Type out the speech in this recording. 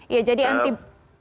ya jadi antibodi